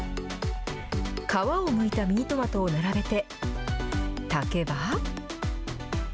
皮をむいたミニトマトを並べて炊けば。